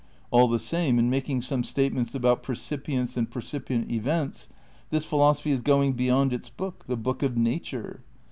All the same, in making some statements about percipience and per cipient events this philosophy is going beyond its book, the book of nature.